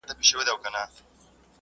مطالعه د ذهن ورزش دی.